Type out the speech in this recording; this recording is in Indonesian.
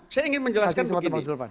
saya ingin menjelaskan begini